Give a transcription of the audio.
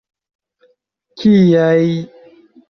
Kiaj!